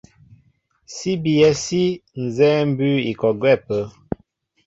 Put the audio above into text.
Sí bíyɛ́ sí nzɛ́ɛ́ mbʉ́ʉ́ i kɔ gwɛ́ ápə́.